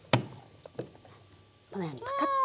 このようにパカッと。